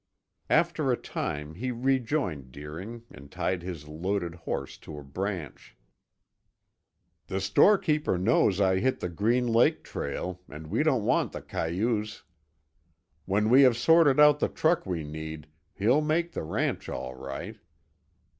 After a time he rejoined Deering and tied his loaded horse to a branch. "The storekeeper knows I hit the Green Lake trail, and we don't want the cayuse. When we have sorted out the truck we need, he'll make the ranch all right.